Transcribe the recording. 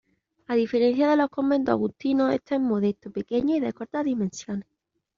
A diferencia de los conventos agustinos este es modesto, pequeño, y de cortas dimensiones.